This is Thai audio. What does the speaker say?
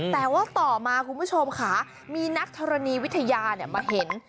แต่ว่าต่อมาคุณผู้ชมค่ะมีนักธรณีวิทยามาเห็น